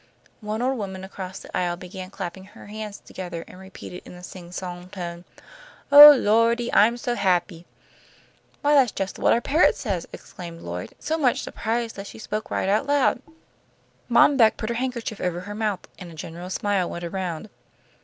One old woman across the aisle began clapping her hands together, and repeated in a singsong tone, "Oh, Lordy! I'm so happy!" "Why, that's just what our parrot says," exclaimed Lloyd, so much surprised that she spoke right out loud. Mom Beck put her handkerchief over her mouth, and a general smile went around.